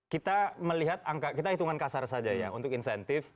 kita melihat angka kita hitungan kasar saja ya untuk insentif